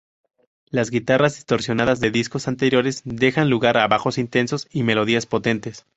Las guitarras distorsionadas de discos anteriores dejan lugar a bajos intensos y melodías potentes.